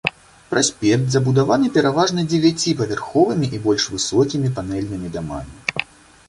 Праспект забудаваны пераважна дзевяціпавярховымі і больш высокімі панэльнымі дамамі.